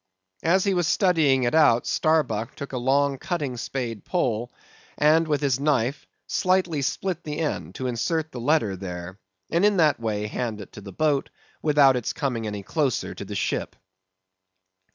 As he was studying it out, Starbuck took a long cutting spade pole, and with his knife slightly split the end, to insert the letter there, and in that way, hand it to the boat, without its coming any closer to the ship.